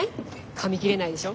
かみ切れないでしょ？